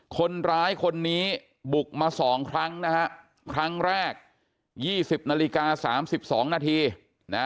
คนร้ายคนนี้บุกมาสองครั้งนะฮะครั้งแรก๒๐นาฬิกา๓๒นาทีนะ